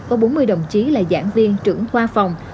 có bốn mươi đồng chí là giảng viên trưởng khoa phòng